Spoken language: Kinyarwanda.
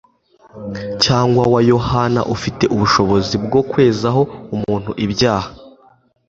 cyangwa wa Yohana ufite ubushobozi bwo kwezaho umuntu ibyaha.